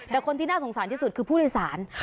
แต่คนที่น่าสงสารที่สุดคือผู้โดยสาร